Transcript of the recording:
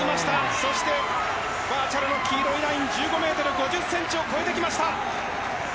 そしてバーチャルの黄色のライン１５ｍ５０ｃｍを越えて来ました。